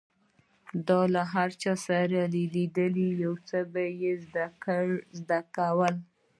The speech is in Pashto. ده له هر چا سره چې ولیدل، يو څه به يې زده کول.